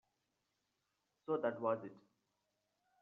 So that was it.